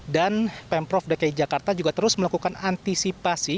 dan pemprov dki jakarta juga terus melakukan antisipasi